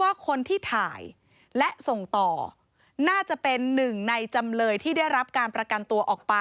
ว่าคนที่ถ่ายและส่งต่อน่าจะเป็นหนึ่งในจำเลยที่ได้รับการประกันตัวออกไป